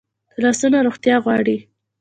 لاسونه روغتیا غواړي